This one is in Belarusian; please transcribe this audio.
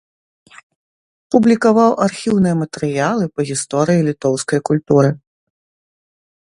Публікаваў архіўныя матэрыялы па гісторыі літоўскай культуры.